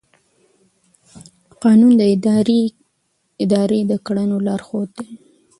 قانون د ادارې د کړنو لارښود دی.